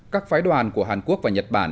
các phái đoàn của hàn quốc và nhật bản